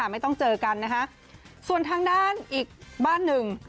ไม่ต้องเจอกันนะคะส่วนทางด้านอีกบ้านหนึ่ง